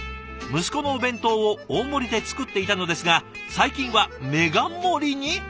「息子のお弁当を大盛りで作っていたのですが最近はメガ盛りに」。